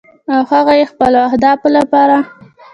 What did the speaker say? او هغه یې د خپلو اهدافو لپاره